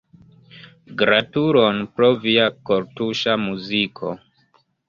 Gratulon pro via kortuŝa muziko.